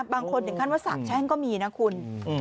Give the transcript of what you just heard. บางคนถึงขั้นว่าสาบแช่งก็มีนะคุณ